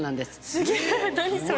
すげえ何それ。